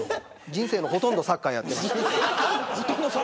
人生のほとんどサッカーやってます。